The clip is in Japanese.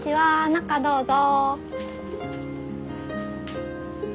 中どうぞ。